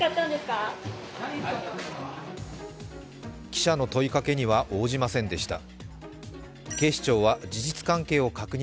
記者の問いかけには応じませんでした。